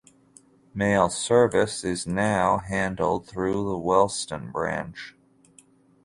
Mail service is now handled through the Wellston branch.